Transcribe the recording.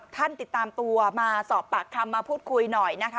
ติดตามตัวมาสอบปากคำมาพูดคุยหน่อยนะคะ